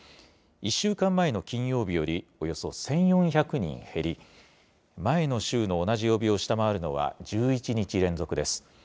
１週間前の金曜日より、およそ１４００人減り、前の週の同じ曜日を下回るのは、１１日連続です。